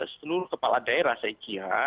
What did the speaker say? seluruh kepala daerah saya kira